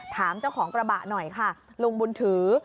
ถามเจ้าของกระบะหน่อยค่ะลุงบุญถือ